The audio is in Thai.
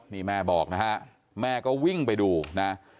นี่แม่บอกนะฮะแม่ก็วิ่งไปดูนะ